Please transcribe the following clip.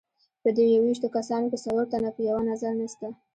په دې یوویشتو کسانو کې څلور تنه په یوه نظر نسته.